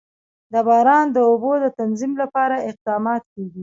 د باران د اوبو د تنظیم لپاره اقدامات کېږي.